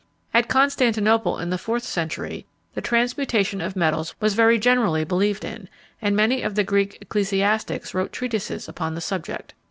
At Constantinople, in the fourth century, the transmutation of metals was very generally believed in, and many of the Greek ecclesiastics wrote treatises upon the subject.